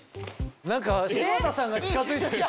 何か柴田さんが近づいてる。